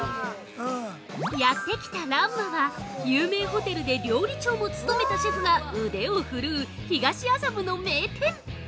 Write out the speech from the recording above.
◆やって来た蘭麻は有名ホテルで料理長も務めたシェフが腕を振るう東麻布の名店。